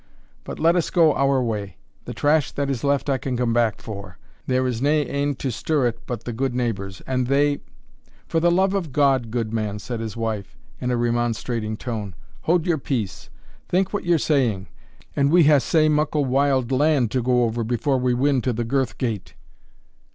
But let us go our way; the trash that is left I can come back for. There is nae ane to stir it but the good neighbours, and they " "For the love of God, goodman," said his wife, in a remonstrating tone, "haud your peace! Think what ye're saying, and we hae sae muckle wild land to go over before we win to the girth gate."